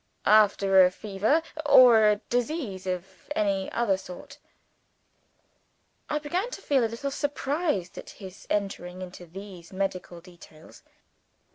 "After a fever? or a disease of any other sort?" I began to feel a little surprised at his entering into these medical details.